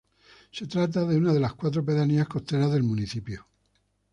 Se trata de una de las cuatro pedanías costeras del municipio.